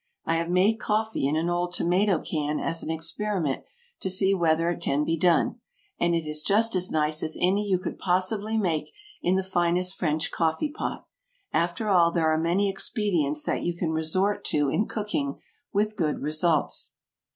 I have made coffee in an old tomato can as an experiment, to see whether it can be done, and it is just as nice as any you could possibly make in the finest French coffee pot. After all there are many expedients that you can resort to in cooking with good results.